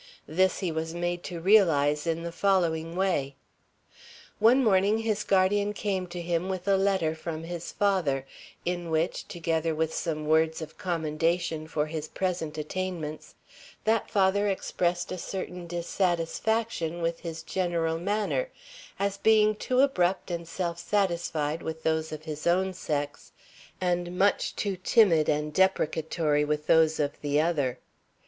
This he was made to realize in the following way: One morning his guardian came to him with a letter from his father, in which, together with some words of commendation for his present attainments, that father expressed a certain dissatisfaction with his general manner as being too abrupt and self satisfied with those of his own sex, and much too timid and deprecatory with those of the other.